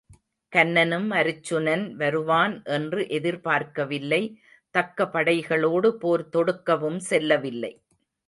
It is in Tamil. கன்னனும் அருச்சுனன் வருவான் என்று எதிர்பார்க்கவில்லை தக்க படைகளோடு போர் தொடுக்கவும் செல்லவில்லை.